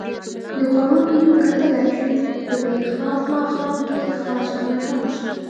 د خوړو منیو کتلای شو؟ په دې خاص ماښام کې خاص خواړه هم شته.